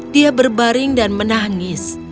dia berbaring dan menangis